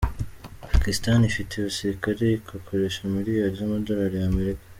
Pakisitani ifite abasirikari igakoresha miliyali z’amadolari ya Amerika.